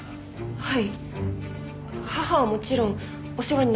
はい。